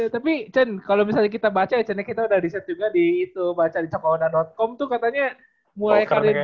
tapi cen kalau misalnya kita baca ya cen kita udah riset juga di itu baca di capowda com tuh katanya mulai karir